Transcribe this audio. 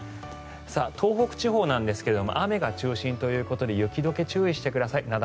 東北地方ですが雨が中心ということで雪解けに注意してください。